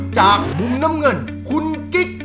จากมุมน้ำเงินคุณกิ๊ก